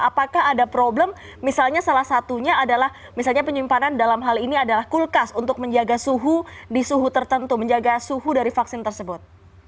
apakah ada problem misalnya salah satunya adalah misalnya penyimpanan dalam hal ini adalah kulkas untuk menjaga suhu di suhu tertentu menjaga suhu dari vaksin tersebut